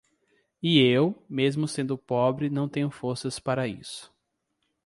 E eu, mesmo sendo pobre, não tenho forças para isso.